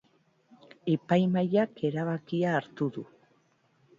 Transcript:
Epaimahaiak erabakia hartu du.